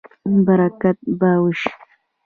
برکت به وشي